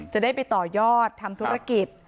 จะได้ไปต่อยอดทำธุรกิจ